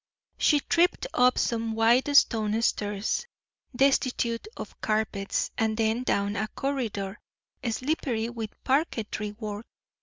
She tripped up some wide stone stairs, destitute of carpets, and then down a corridor, slippery with parquetry work.